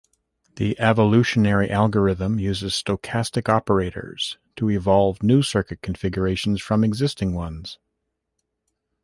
The evolutionary algorithm uses stochastic operators to evolve new circuit configurations from existing ones.